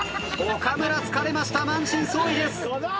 岡村疲れました満身創痍です。